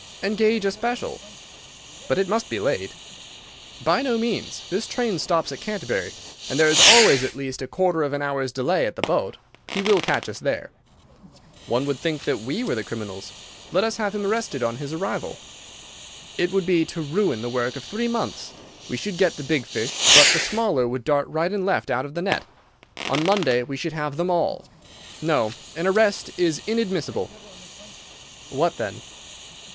"Engage a special." "But it must be late." "By no means. This train stops at Canterbury; and there is always at least a quarter of an hour's delay at the boat. He will catch us there." "One would think that we were the criminals. Let us have him arrested on his arrival." "It would be to ruin the work of three months. We should get the big fish, but the smaller would dart right and left out of the net. On Monday we should have them all. No, an arrest is inadmissible." "What then?"